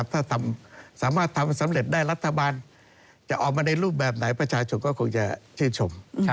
ถ้าสามารถทำสำเร็จได้รัฐบาลจะออกมาในรูปแบบไหนประชาชนก็คงจะชื่นชม